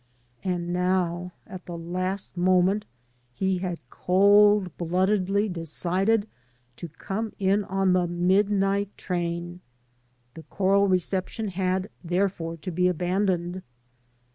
And now, at the last moment, he had cold bloodedly decided to come in on the midnight train. The choral reception had, therefore, to be abandoned.